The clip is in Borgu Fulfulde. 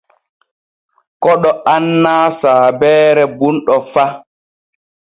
Koɗo annaa saabeere bunɗo fa.